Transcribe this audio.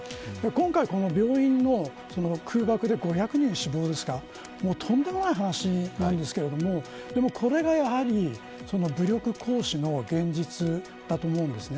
今回、この病院の空爆で５００人死亡ですかとんでもない話なんですけどこれがやはり武力行使の現実だと思うんです。